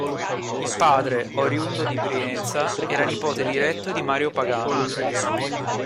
Il padre, oriundo di Brienza, era nipote diretto di Mario Pagano.